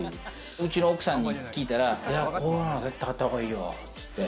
うちの奥さんに聞いたら、こういうの絶対あったほうがいいよって。